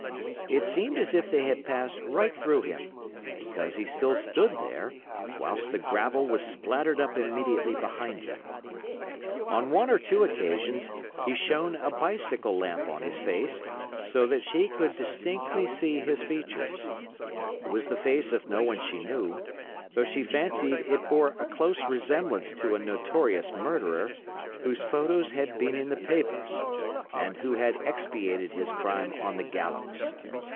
It seemed as if they had passed right through him, because he still stood there, whilst the gravel was splattered up immediately behind him. On one or two occasions he shone a bicycle lamp on his face, so that she could distinctly see his features. It was the face of no one she knew, though she fancied it bore a close resemblance to a notorious murderer, whose photos had been in the papers, and who had expiated his crime on the gallows.